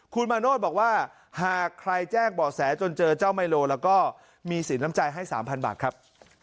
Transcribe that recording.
คุณมาโนธบอกว่าหากใครแจ้งบ่อแสจนเจอเจ้าไมโลแล้วก็มีสินน้ำใจให้๓๐๐บาทครับ